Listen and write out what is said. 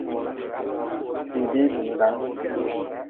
Tibii, bi ludan.